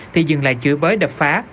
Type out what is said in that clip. thì dừng lại chữa bới đập phá